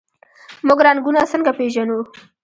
موږ رنګونه څنګه پیژنو؟